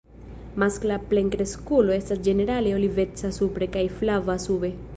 Maskla plenkreskulo estas ĝenerale oliveca supre kaj flava sube.